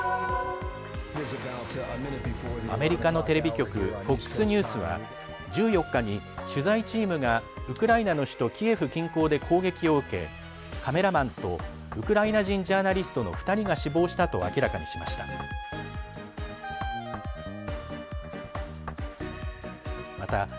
アメリカのテレビ局ＦＯＸニュースは１４日に取材チームがウクライナの首都キエフ近郊で攻撃を受け、カメラマンとウクライナ人ジャーナリストの２人が死亡したと明らかにしました。